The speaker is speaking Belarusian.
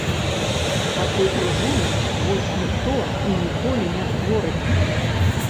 Такой дружыны больш ніхто і ніколі не створыць.